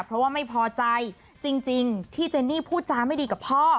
เพราะว่าไม่พอใจจริงที่เจนนี่พูดจาไม่ดีกับพ่อ